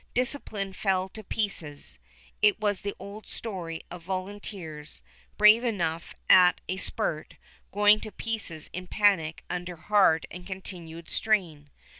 Discipline fell to pieces. It was the old story of volunteers, brave enough at a spurt, going to pieces in panic under hard and continued strain.